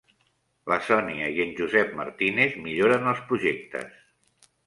La Sònia i en Josep Martínez milloren els projectes.